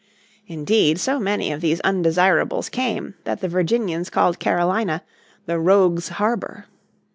Indeed so many of these undesirables came that the Virginians called Carolina the Rogues' Harbour.